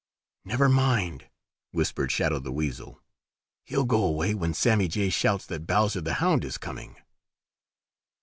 "Never mind," whispered Shadow the Weasel, "he'll go away when Sammy Jay shouts that Bowser the Hound is coming."